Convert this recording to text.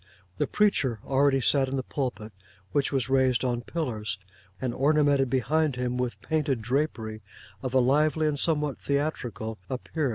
The preacher already sat in the pulpit, which was raised on pillars, and ornamented behind him with painted drapery of a lively and somewhat theatrical appearance.